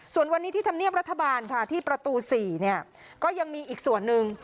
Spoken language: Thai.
ส่วนวันนี้ที่ธรรมเนียบรัฐบาลมันพศ๔ก็ยังมีอีกส่วนนึง